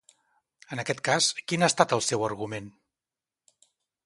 En aquest cas, quin ha estat el seu argument?